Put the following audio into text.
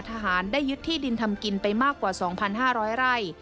ทหารได้ยึดที่ดินทำกินไปมากกว่า๒๕๐๐ไร่